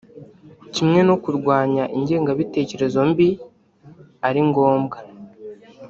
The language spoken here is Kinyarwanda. kimwe no kurwanya ingengabitekerezo mbi ari ngombwa